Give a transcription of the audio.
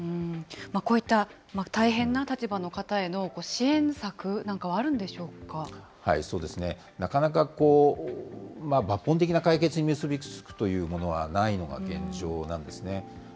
こういった大変な立場の方への支援策なんかはあるんでしょうそうですね、なかなかこう、抜本的な解決に結び付くというのはないのが現状なんですね。